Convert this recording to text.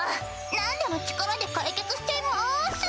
何でも力で解決しちゃいます！